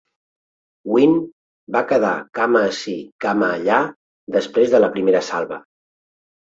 "Gwin" va quedar cama ací, cama allà després de la primera salva.